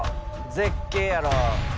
絶景やろ。